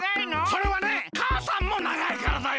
それはねかあさんもながいからだよ。